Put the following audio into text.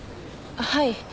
はい。